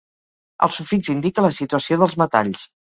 El sufix indica la situació dels metalls.